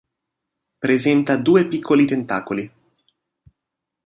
Presenta due piccoli tentacoli.